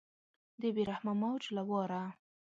د بې رحمه موج له واره